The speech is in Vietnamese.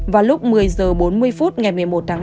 vào lúc một mươi h bốn mươi phút ngày một mươi một tháng năm